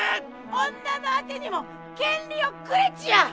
女のあてにも権利をくれちゃ！